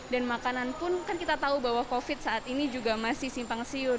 dan makanan pun kan kita tahu bahwa covid saat ini juga masih simpang siur